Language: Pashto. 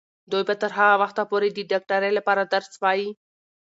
دوی به تر هغه وخته پورې د ډاکټرۍ لپاره درس وايي.